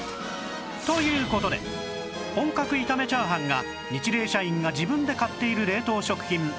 という事で本格炒め炒飯がニチレイ社員が自分で買っている冷凍食品第１位でした